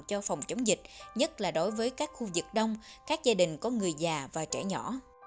cho phòng chống dịch nhất là đối với các khu vực đông các gia đình có người già và trẻ nhỏ